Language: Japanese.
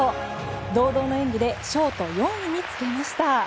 堂々の演技でショート４位につけました。